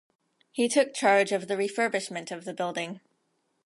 He took charge of the refurbishment of the building.